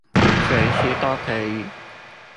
隨時都可以